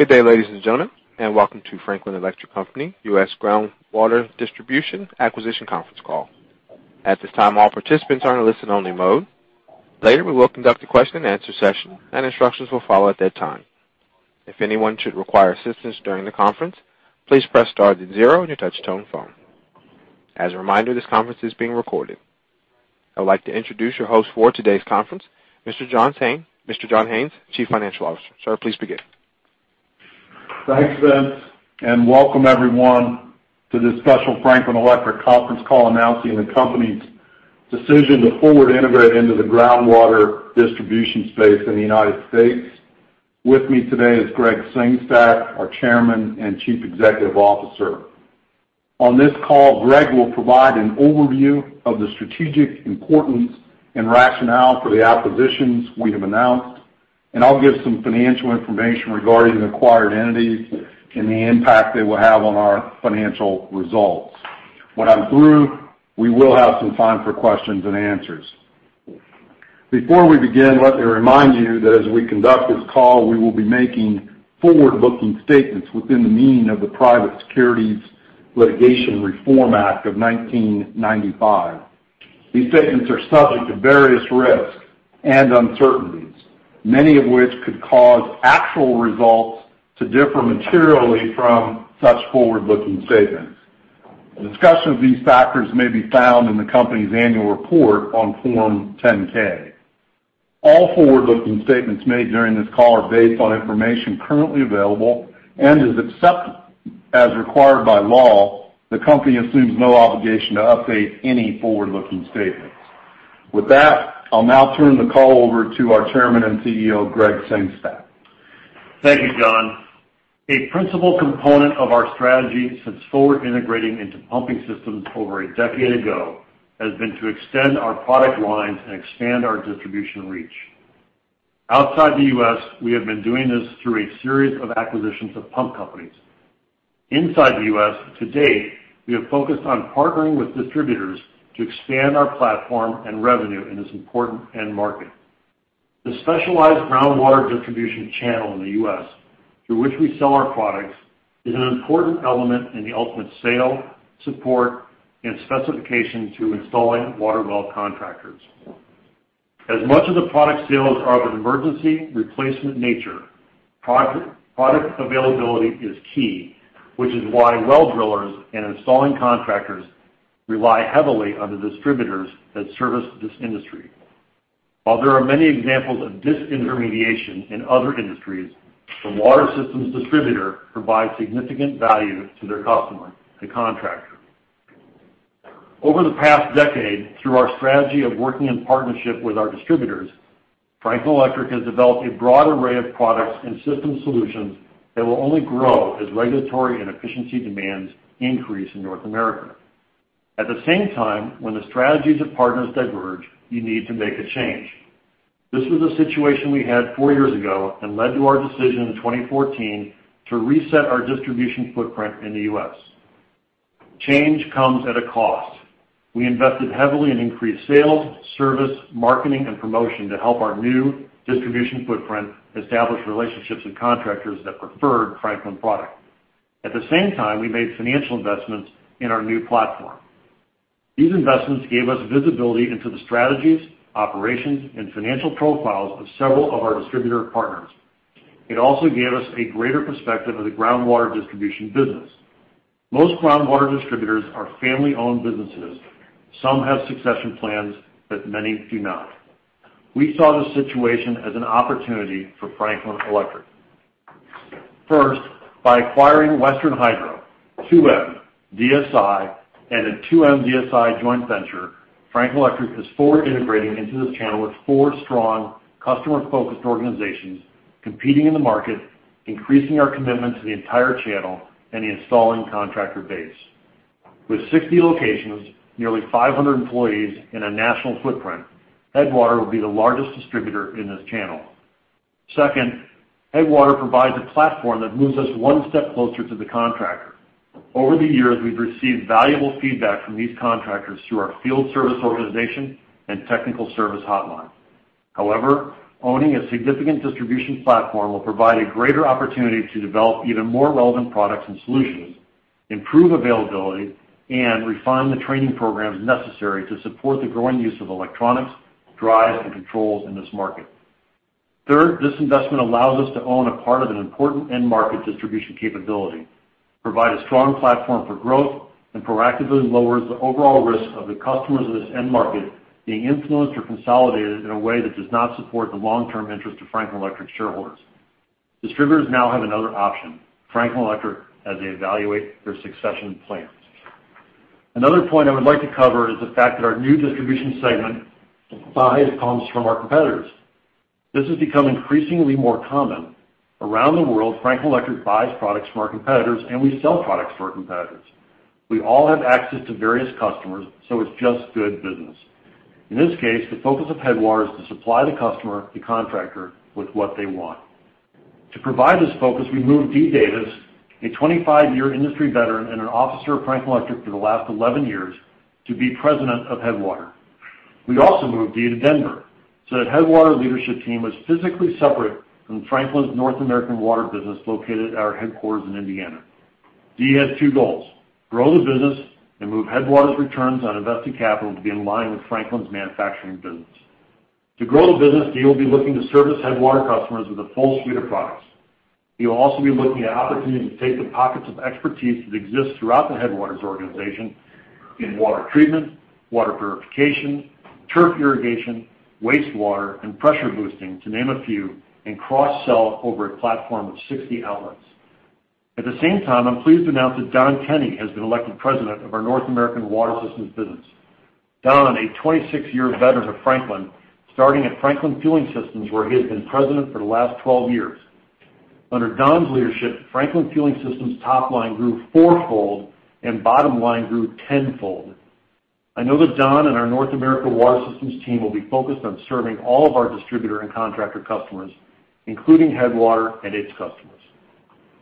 Good day, ladies and gentlemen, and welcome to Franklin Electric Company, U.S. Groundwater Distribution Acquisition Conference Call. At this time, all participants are in a listen-only mode. Later, we will conduct a question-and-answer session, and instructions will follow at that time. If anyone should require assistance during the conference, please press star to zero on your touch-tone phone. As a reminder, this conference is being recorded. I would like to introduce your host for today's conference, Mr. John Haines, Chief Financial Officer. Sir, please begin. Thanks, Ben, and welcome everyone to this special Franklin Electric conference call announcing the company's decision to forward integrate into the groundwater distribution space in the United States. With me today is Gregg Sengstack, our Chairman and Chief Executive Officer. On this call, Gregg will provide an overview of the strategic importance and rationale for the acquisitions we have announced, and I'll give some financial information regarding the acquired entities and the impact they will have on our financial results. When I'm through, we will have some time for questions and answers. Before we begin, let me remind you that as we conduct this call, we will be making forward-looking statements within the meaning of the Private Securities Litigation Reform Act of 1995. These statements are subject to various risks and uncertainties, many of which could cause actual results to differ materially from such forward-looking statements. Discussion of these factors may be found in the company's annual report on Form 10-K. All forward-looking statements made during this call are based on information currently available, and as required by law, the company assumes no obligation to update any forward-looking statements. With that, I'll now turn the call over to our Chairman and CEO, Gregg Sengstack. Thank you, John. A principal component of our strategy since forward integrating into pumping systems over a decade ago has been to extend our product lines and expand our distribution reach. Outside the U.S., we have been doing this through a series of acquisitions of pump companies. Inside the U.S., to date, we have focused on partnering with distributors to expand our platform and revenue in this important end market. The specialized groundwater distribution channel in the U.S., through which we sell our products, is an important element in the ultimate sale, support, and specification to installing water well contractors. As much of the product sales are of an emergency replacement nature, product availability is key, which is why well drillers and installing contractors rely heavily on the distributors that service this industry. While there are many examples of disintermediation in other industries, the water systems distributor provides significant value to their customer, the contractor. Over the past decade, through our strategy of working in partnership with our distributors, Franklin Electric has developed a broad array of products and system solutions that will only grow as regulatory and efficiency demands increase in North America. At the same time, when the strategies of partners diverge, you need to make a change. This was a situation we had four years ago and led to our decision in 2014 to reset our distribution footprint in the U.S. Change comes at a cost. We invested heavily in increased sales, service, marketing, and promotion to help our new distribution footprint establish relationships with contractors that preferred Franklin product. At the same time, we made financial investments in our new platform. These investments gave us visibility into the strategies, operations, and financial profiles of several of our distributor partners. It also gave us a greater perspective of the groundwater distribution business. Most groundwater distributors are family-owned businesses. Some have succession plans, but many do not. We saw this situation as an opportunity for Franklin Electric. First, by acquiring Western Hydro, 2M DSI, and a 2M, DSI joint venture, Franklin Electric is forward integrating into this channel with four strong, customer-focused organizations competing in the market, increasing our commitment to the entire channel and the installing contractor base. With 60 locations, nearly 500 employees, and a national footprint, Headwater will be the largest distributor in this channel. Second, Headwater provides a platform that moves us one step closer to the contractor. Over the years, we've received valuable feedback from these contractors through our field service organization and technical service hotline. However, owning a significant distribution platform will provide a greater opportunity to develop even more relevant products and solutions, improve availability, and refine the training programs necessary to support the growing use of electronics, drives, and controls in this market. Third, this investment allows us to own a part of an important end market distribution capability, provide a strong platform for growth, and proactively lowers the overall risk of the customers of this end market being influenced or consolidated in a way that does not support the long-term interest of Franklin Electric shareholders. Distributors now have another option: Franklin Electric as they evaluate their succession plans. Another point I would like to cover is the fact that our new distribution segment buys pumps from our competitors. This has become increasingly more common. Around the world, Franklin Electric buys products from our competitors, and we sell products to our competitors. We all have access to various customers, so it's just good business. In this case, the focus of Headwater is to supply the customer, the contractor, with what they want. To provide this focus, we moved Dee Davis, a 25-year industry veteran and an officer of Franklin Electric for the last 11 years, to be president of Headwater. We also moved Dee to Denver so that Headwater's leadership team was physically separate from Franklin's North American water business located at our headquarters in Indiana. Dee has two goals: grow the business and move Headwater's returns on invested capital to be in line with Franklin's manufacturing business. To grow the business, Dee will be looking to service Headwater customers with a full suite of products. He will also be looking at opportunities to take the pockets of expertise that exist throughout the Headwater's organization in water treatment, water purification, turf irrigation, wastewater, and pressure boosting, to name a few, and cross-sell over a platform of 60 outlets. At the same time, I'm pleased to announce that Don Kenney has been elected president of our North America Water Systems business. Don, a 26-year veteran of Franklin, starting at Franklin Fueling Systems where he has been president for the last 12 years. Under Don's leadership, Franklin Fueling Systems' top line grew fourfold and bottom line grew tenfold. I know that Don and our North America Water Systems team will be focused on serving all of our distributor and contractor customers, including Headwater and its customers.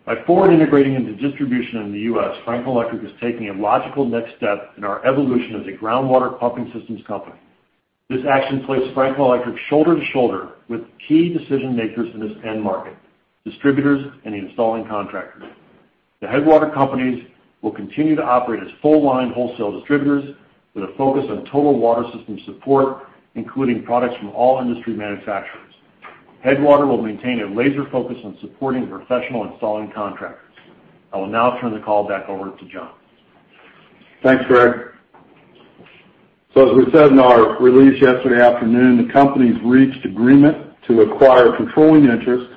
By forward integrating into distribution in the U.S., Franklin Electric is taking a logical next step in our evolution as a groundwater pumping systems company. This action places Franklin Electric shoulder to shoulder with key decision-makers in this end market: distributors and the installing contractors. The Headwater Companies will continue to operate as full-line wholesale distributors with a focus on total water system support, including products from all industry manufacturers. Headwater will maintain a laser focus on supporting professional installing contractors. I will now turn the call back over to John. Thanks, Gregg. As we said in our release yesterday afternoon, the company's reached agreement to acquire controlling interest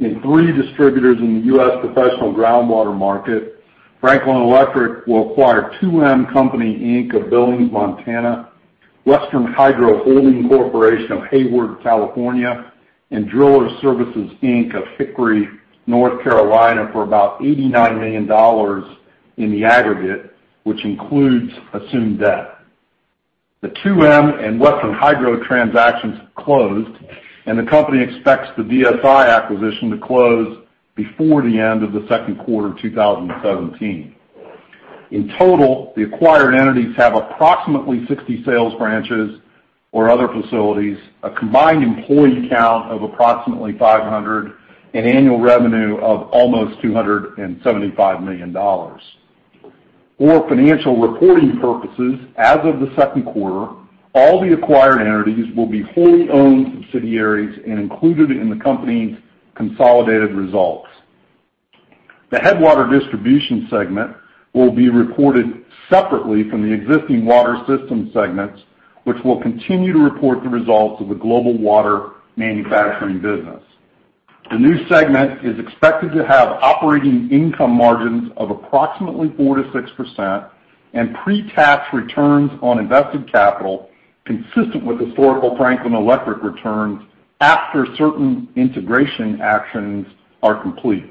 in three distributors in the U.S. professional groundwater market. Franklin Electric will acquire 2M Company, Inc., of Billings, Montana, Western Hydro Holding Corporation of Hayward, California, and Drillers Service, Inc., of Hickory, North Carolina, for about $89 million in the aggregate, which includes assumed debt. The 2M and Western Hydro transactions closed, and the company expects the DSI acquisition to close before the end of the Q2 of 2017. In total, the acquired entities have approximately 60 sales branches or other facilities, a combined employee count of approximately 500, and annual revenue of almost $275 million. For financial reporting purposes, as of the Q2, all the acquired entities will be wholly owned subsidiaries and included in the company's consolidated results. The Headwater distribution segment will be reported separately from the existing water system segments, which will continue to report the results of the global water manufacturing business. The new segment is expected to have operating income margins of approximately 4%-6% and pre-tax returns on invested capital consistent with historical Franklin Electric returns after certain integration actions are complete.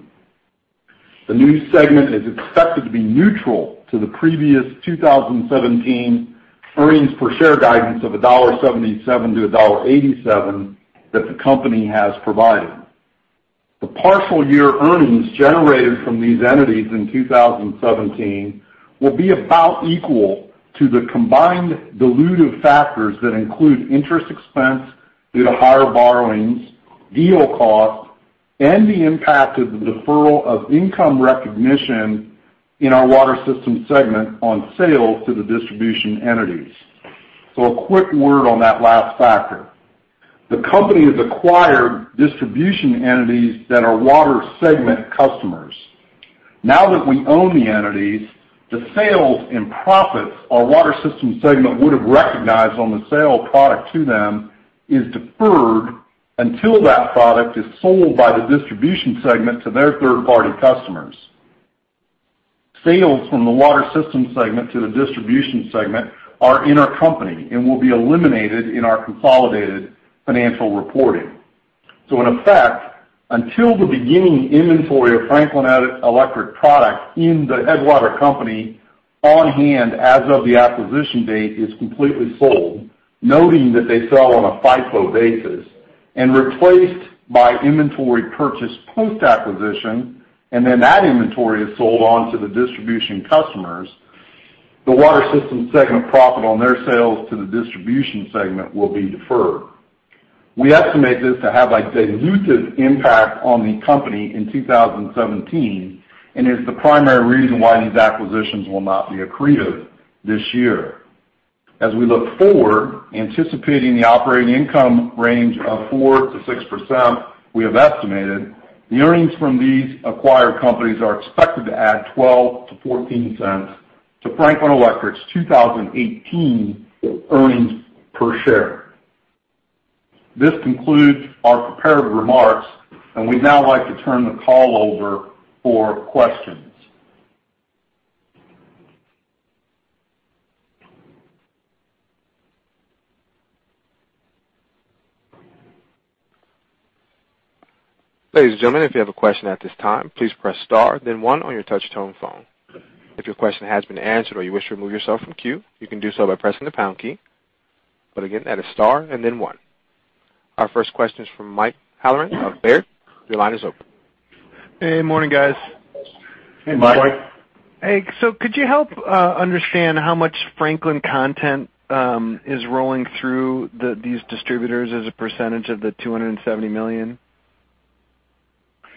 The new segment is expected to be neutral to the previous 2017 earnings per share guidance of $1.77-$1.87 that the company has provided. The partial year earnings generated from these entities in 2017 will be about equal to the combined dilutive factors that include interest expense due to higher borrowings, deal costs, and the impact of the deferral of income recognition in our water system segment on sales to the distribution entities. A quick word on that last factor. The company has acquired distribution entities that are water segment customers. Now that we own the entities, the sales and profits our water system segment would have recognized on the sale product to them is deferred until that product is sold by the distribution segment to their third-party customers. Sales from the water system segment to the distribution segment are intercompany and will be eliminated in our consolidated financial reporting. In effect, until the beginning inventory of Franklin Electric product in the Headwater Companies on hand as of the acquisition date is completely sold, noting that they sell on a FIFO basis, and replaced by inventory purchased post-acquisition, and then that inventory is sold on to the distribution customers, the water system segment profit on their sales to the distribution segment will be deferred. We estimate this to have a dilutive impact on the company in 2017 and is the primary reason why these acquisitions will not be accretive this year. As we look forward, anticipating the operating income range of 4%-6%, we have estimated the earnings from these acquired companies are expected to add $0.12-$0.14 to Franklin Electric's 2018 earnings per share. This concludes our prepared remarks, and we'd now like to turn the call over for questions. Ladies and gentlemen, if you have a question at this time, please press star, then one on your touch-tone phone. If your question has been answered or you wish to remove yourself from queue, you can do so by pressing the pound key. But again, that is star and then one. Our first question is from Mike Halloran of Baird. Your line is open. Hey, morning, guys. Hey, Mike. Could you help understand how much Franklin content is rolling through these distributors as a percentage of the $270 million?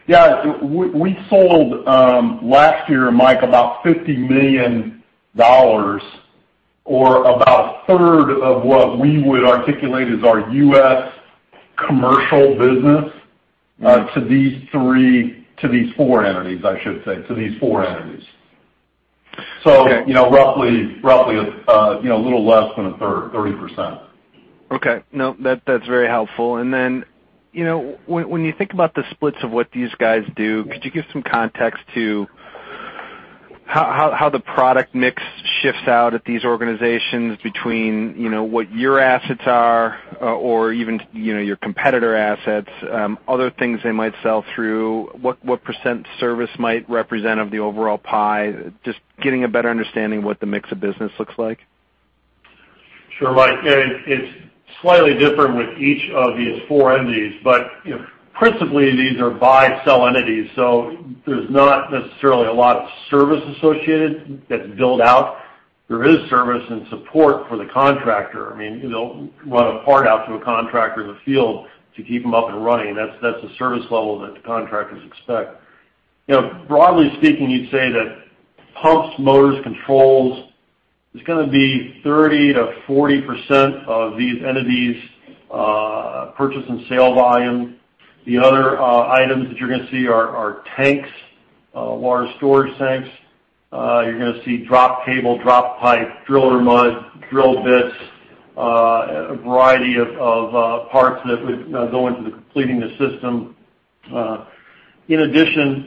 We sold last year, Mike, about $50 million or about a third of what we would articulate as our U.S. commercial business to these four entities, I should say, to these four entities. Roughly a little less than a third, 30%. That's very helpful. When you think about the splits of what these guys do, could you give some context to? how the product mix shifts out at these organizations between what your assets are or even your competitor assets, other things they might sell through, what percent service might represent of the overall pie? just getting a better understanding of what the mix of business looks like? It's slightly different with each of these four entities, principally, these are buy-sell entities, there's not necessarily a lot of service associated that's built out. There is service and support for the contractor i mean, they'll run a part out to a contractor in the field to keep them up and running that's the service level that the contractors expect. Broadly speaking, you'd say that pumps, motors, controls, it's going to be 30%-40% of these entities' purchase and sale volume. The other items that you're going to see are tanks, water storage tanks. You're going to see drop cable, drop pipe, driller mud, drill bits, a variety of parts that would go into completing the system. In addition,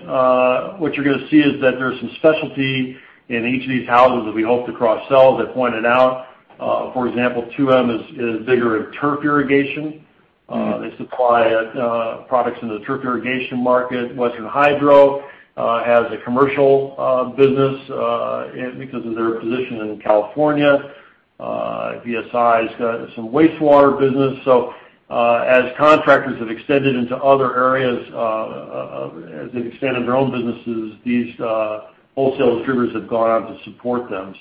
what you're going to see is that there are some specialty in each of these houses that we hope to cross-sell that pointed out. For example, 2M is bigger in turf irrigation. They supply products in the turf irrigation market Western Hydro has a commercial business because of their position in California. DSI has got some wastewater business. As contractors have extended into other areas, as they've expanded their own businesses, these wholesale distributors have gone on to support them.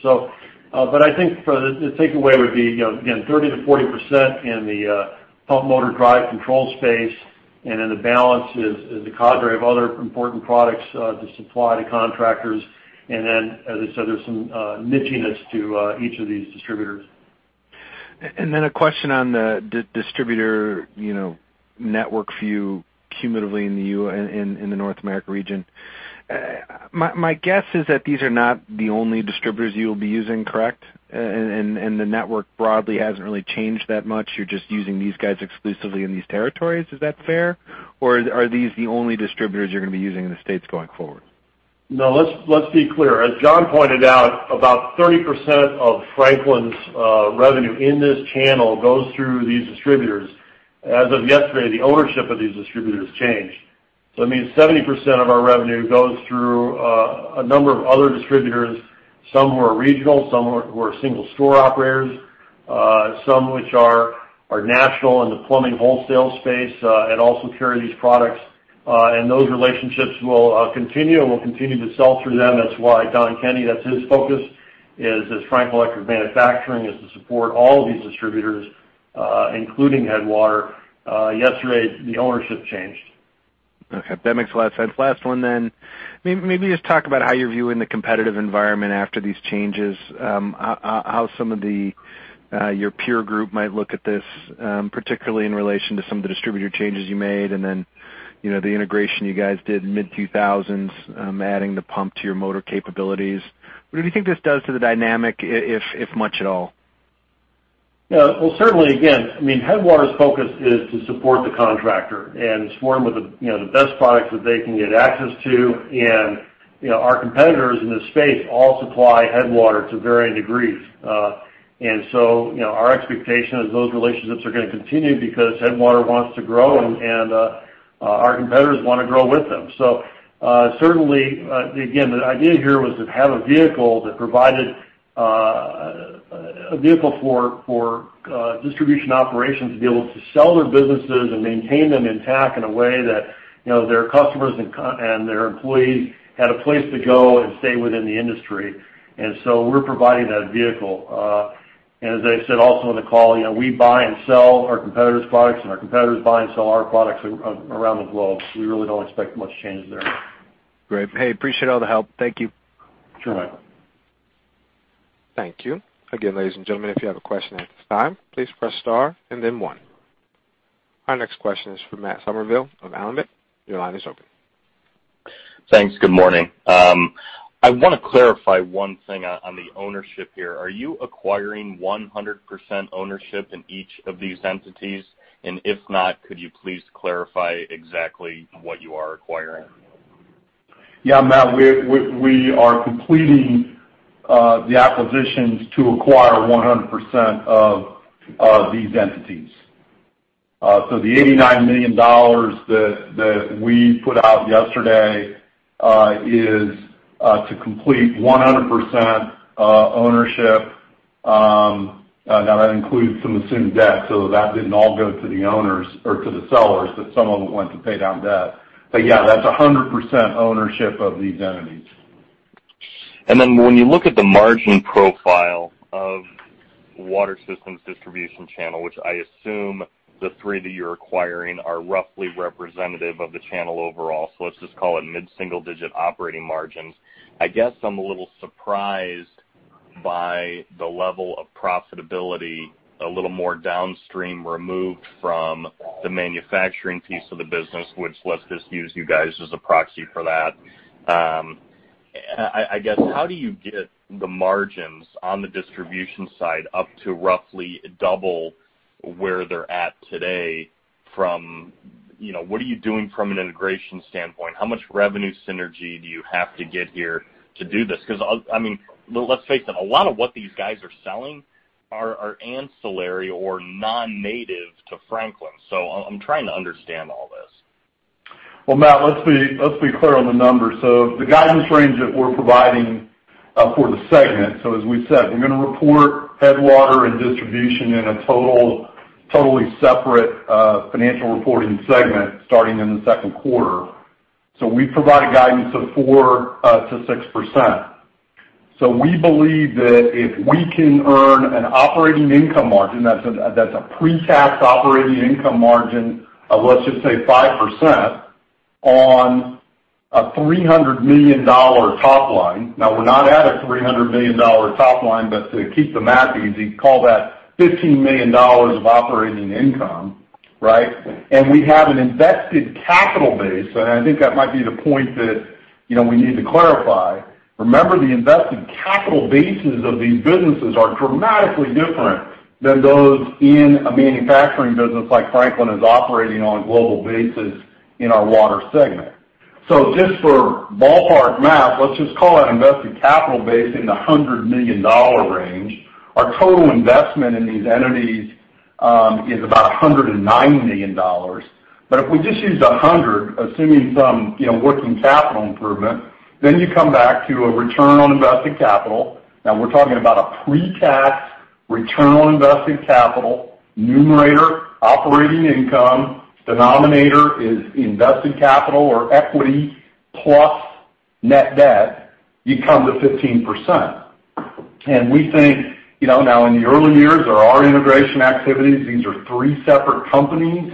I think the takeaway would be, again, 30%-40% in the pump, motor, drive, control space, and then the balance is a cadre of other important products to supply to contractors. As I said, there's some nicheness to each of these distributors. Then a question on the distributor network for you cumulatively in the North American region. My guess is that these are not the only distributors you will be using, correct? The network broadly hasn't really changed that much you're just using these guys exclusively in these territories is that fair? Or are these the only distributors you're going to be using in the States going forward? No, let's be clear. As John pointed out, about 30% of Franklin's revenue in this channel goes through these distributors. As of yesterday, the ownership of these distributors changed. It means 70% of our revenue goes through a number of other distributors, some who are regional, some who are single-store operators, some which are national in the plumbing wholesale space and also carry these products. And those relationships will continue and will continue to sell through them that's why Don Kenney, that's his focus, is Franklin Electric manufacturing is to support all of these distributors, including Headwater. Yesterday, the ownership changed. Okay. That makes a lot of sense last one then. Maybe just talk about how you're viewing the competitive environment after these changes, how some of your peer group might look at this? particularly in relation to some of the distributor changes you made and then the integration you guys did mid-2000s, adding the pump to your motor capabilities. What do you think this does to the dynamic, if much at all? Certainly, again, I mean, Headwater's focus is to support the contractor and supplier with the best products that they can get access to. Our competitors in this space all supply Headwater to varying degrees. Our expectation is those relationships are going to continue because Headwater wants to grow, and our competitors want to grow with them. Certainly, again, the idea here was to have a vehicle that provided a vehicle for distribution operations to be able to sell their businesses and maintain them intact in a way that their customers and their employees had a place to go and stay within the industry. We're providing that vehicle. As I said also in the call, we buy and sell our competitors' products, and our competitors buy and sell our products around the globe we really don't expect much change there. Great. Hey, appreciate all the help. Thank you. Sure, Mike. Thank you. Again, ladies and gentlemen, if you have a question at this time, please press star and then one. Our next question is for Matt Summerville of D.A. Davidson. Your line is open. Thanks. Good morning. I want to clarify one thing on the ownership here are you acquiring 100% ownership in each of these entities? And if not, could you please clarify exactly what you are acquiring? Yeah, Matt. We are completing the acquisitions to acquire 100% of these entities. The $89 million that we put out yesterday is to complete 100% ownership. Now, that includes some assumed debt that didn't all go to the owners or to the sellers, but some of it went to pay down debt. But yeah, that's 100% ownership of these entities. And then when you look at the margin profile of the water systems distribution channel, which I assume the three that you're acquiring are roughly representative of the channel overall let's just call it mid-single-digit operating margins. I guess I'm a little surprised by the level of profitability a little more downstream removed from the manufacturing piece of the business, which let's just use you guys as a proxy for that. I guess, how do you get the margins? on the distribution side up to roughly double where they're at today from what are you doing from an integration standpoint? How much revenue synergy do you have to get here to do this? Because I mean, a lot of what these guys are selling are ancillary or non-native to Franklin i'm trying to understand all this. Matt, let's be clear on the numbers. The guidance range that we're providing for the segment, so as we said, we're going to report Headwater and distribution in a totally separate financial reporting segment starting in the Q2. We provide a guidance of 4%-6%. We believe that if we can earn an operating income margin, that's a pre-tax operating income margin of, let's just say, 5% on a $300 million top line now, we're not at a $300 million top line, but to keep the math easy, call that $15 million of operating income, right? We have an invested capital base, and I think that might be the point that we need to clarify. Remember, the invested capital bases of these businesses are dramatically different than those in a manufacturing business like Franklin is operating on a global basis in our water segment. Just for ballpark math, let's just call that invested capital base in the $100 million range. Our total investment in these entities is about $109 million. But if we just use 100, assuming some working capital improvement, then you come back to a return on invested capital. Now, we're talking about a pre-tax return on invested capital. Numerator, operating income. Denominator is invested capital or equity plus net debt. You come to 15%. We think now, in the early years of our integration activities, these are three separate companies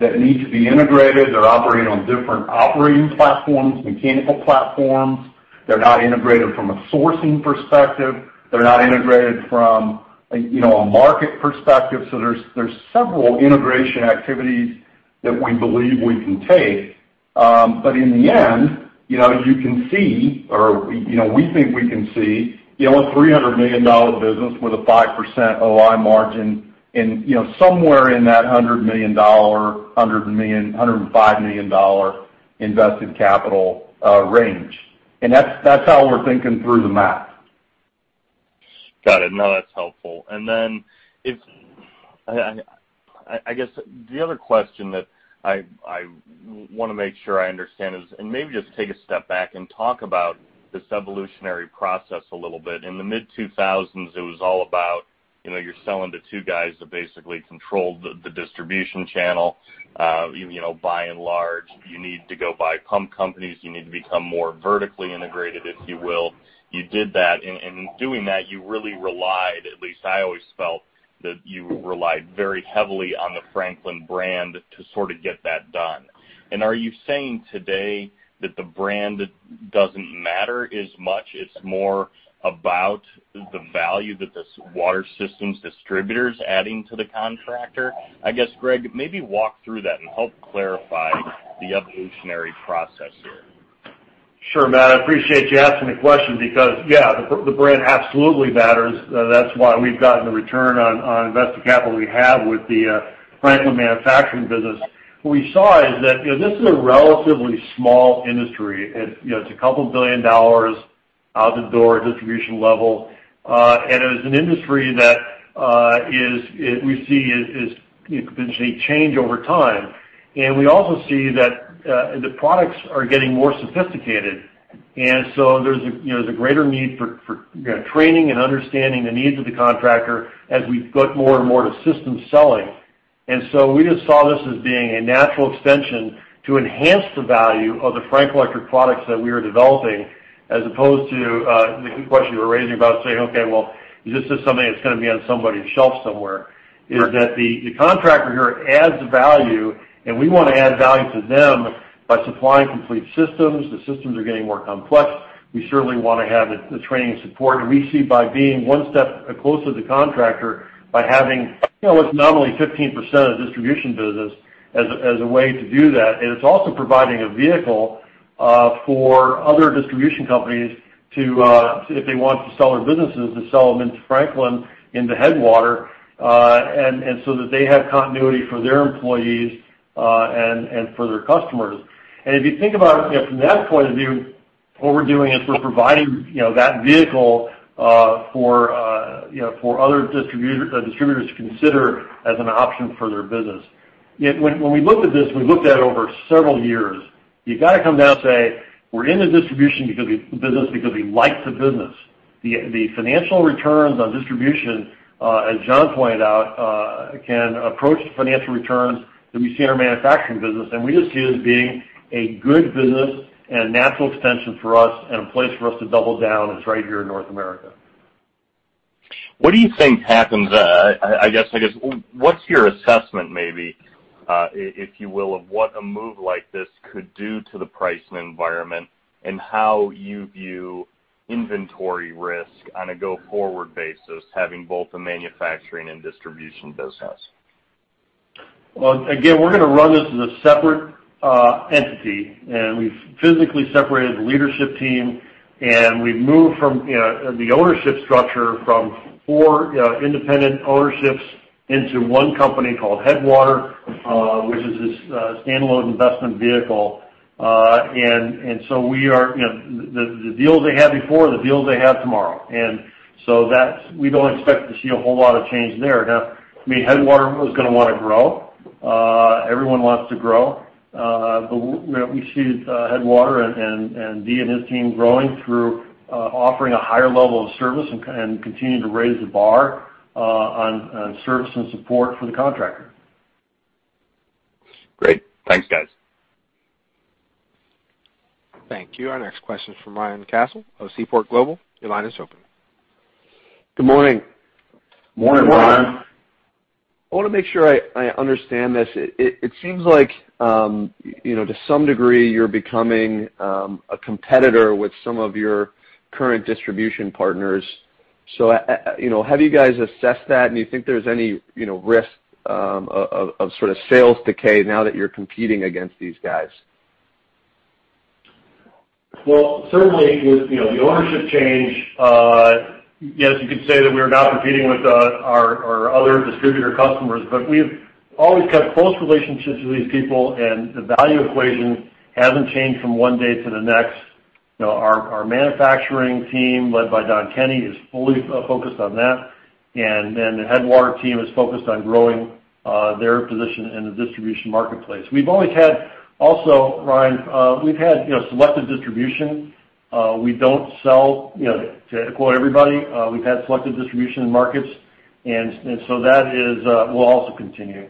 that need to be integrated they're operating on different operating platforms, mechanical platforms. They're not integrated from a sourcing perspective. They're not integrated from a market perspective there's several integration activities that we believe we can take. In the end, you can see or we think we can see a $300 million business with a 5% OI margin and somewhere in that $100 million-$105 million invested capital range. That's how we're thinking through the math. That's helpful. Then I guess the other question that I want to make sure I understand is, and maybe just take a step back and talk about this evolutionary process a little bit in the mid-2000s, it was all about you're selling to two guys that basically control the distribution channel. By and large, you need to go buy pump companies you need to become more vertically integrated, if you will you did that and in doing that, you really relied, at least, I always felt, that you relied very heavily on the Franklin brand to sort of get that done. And are you saying today that the brand doesn't matter as much? It's more about the value that this water systems distributor is adding to the contractor? I guess, Greg, maybe walk through that and help clarify the evolutionary process here. Sure, Matt. I appreciate you asking the question because, yeah, the brand absolutely matters. That's why we've gotten the return on invested capital we have with the Franklin manufacturing business. What we saw is that this is a relatively small industry. It's $2 billion out the door at distribution level. It was an industry that we see is potentially changing over time. We also see that the products are getting more sophisticated. There's a greater need for training and understanding the needs of the contractor as we go more and more to system selling. We just saw this as being a natural extension to enhance the value of the Franklin Electric products that we were developing as opposed to the question you were raising about saying, "Okay, well, is this just something that's going to be on somebody's shelf somewhere?" Is that the contractor here adds value. We want to add value to them by supplying complete systems the systems are getting more complex. We certainly want to have the training and support we see by being one step closer to the contractor, by having what's nominally 15% of the distribution business as a way to do that, and it's also providing a vehicle for other distribution companies to, if they want to sell their businesses, to sell them into Franklin, into Headwater, and so that they have continuity for their employees and for their customers. If you think about it from that point of view, what we're doing is we're providing that vehicle for other distributors to consider as an option for their business. When we looked at this, we looked at it over several years. You've got to come down and say, "We're in the distribution business because we like the business." The financial returns on distribution, as John pointed out, can approach the financial returns that we see in our manufacturing business, and we just see it as being a good business and a natural extension for us and a place for us to double down is right here in North America. What do you think happens there? I guess, what's your assessment maybe, if you will, of what a move like this could do to the pricing environment and how you view inventory risk on a go-forward basis having both a manufacturing and distribution business? Again, we're going to run this as a separate entity. We've physically separated the leadership team, and we've moved from the ownership structure from four independent ownerships into one company called Headwater, which is this standalone investment vehicle. We are the deals they had before, the deals they have tomorrow. We don't expect to see a whole lot of change there. Now, I mean, Headwater is going to want to grow. Everyone wants to grow. We see Headwater and Dee and his team growing through offering a higher level of service and continuing to raise the bar on service and support for the contractor. Great. Thanks, guys. Thank you. Our next question is from Ryan Connors of Seaport Global. Your line is open. Good morning. Morning, Ryan. I want to make sure I understand this. It seems like to some degree, you're becoming a competitor with some of your current distribution partners. Have you guys assessed that? and do you think there's any risk of sort of sales decay now that you're competing against these guys? Certainly, with the ownership change, yes, you could say that we are not competing with our other distributor customers. We've always kept close relationships with these people, and the value equation hasn't changed from one day to the next. Our manufacturing team led by Don Kenney is fully focused on that. Then the Headwater team is focused on growing their position in the distribution marketplace we've always had also, Ryan, we've had selective distribution. We don't sell to quote everybody we've had selective distribution in markets. That will also continue.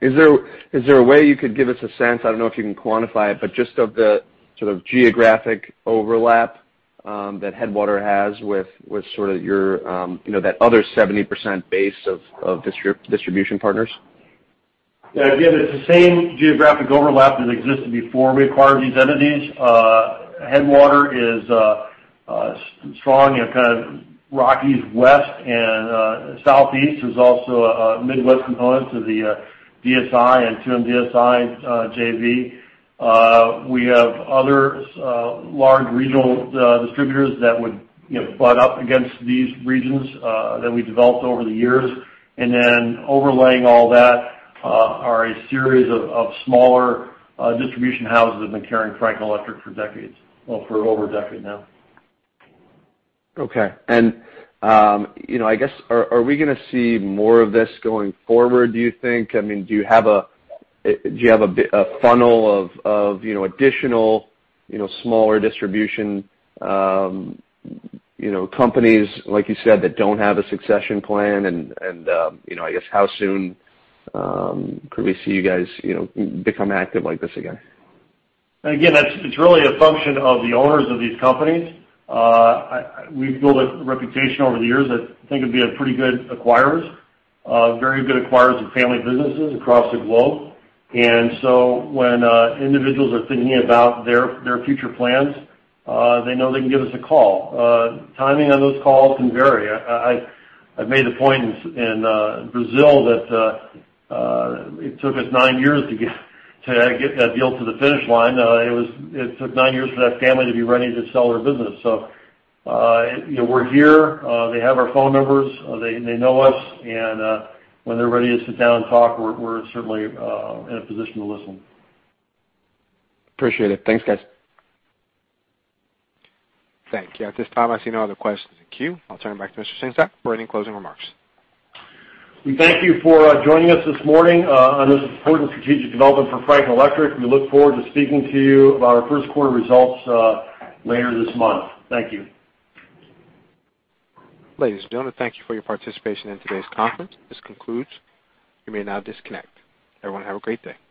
Is there a way you could give us a sense? I don't know if you can quantify it, but just of the sort of geographic overlap that Headwater has with sort of your that other 70% base of distribution partners? Again, it's the same geographic overlap that existed before we acquired these entities. Headwater is strong kind of Rockies West and Southeast there's also a Midwest component to the DSI and 2M DSI JV. We have other large regional distributors that would butt up against these regions that we developed over the years. Then overlaying all that are a series of smaller distribution houses that have been carrying Franklin Electric for decades, well, for over a decade now. I guess, are we going to see more of this going forward, do you think? I mean, do you have a funnel of additional smaller distribution companies, like you said, that don't have a succession plan? And I guess, how soon could we see you guys become active like this again? Again, it's really a function of the owners of these companies. We've built a reputation over the years that I think would be of pretty good acquirers, very good acquirers of family businesses across the globe. When individuals are thinking about their future plans, they know they can give us a call. Timing on those calls can vary. I've made the point in Brazil that it took us nine years to get that deal to the finish line. It took nine years for that family to be ready to sell their business. We're here. They have our phone numbers. They know us. When they're ready to sit down and talk, we're certainly in a position to listen. Appreciate it. Thanks, guys. Thank you. At this time, I see no other questions in queue. I'll turn it back to Mr. Sengstack for any closing remarks. We thank you for joining us this morning on this important strategic development for Franklin Electric. We look forward to speaking to you about our Q1 results later this month. Thank you. Ladies and gentlemen, thank you for your participation in today's conference. This concludes. You may now disconnect. Everyone, have a great day.